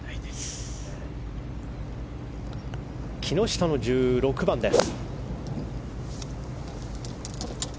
木下の１６番です。